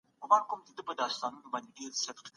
دوی په ورځنيو چارو کي د خپل مذهب پيروي کوي.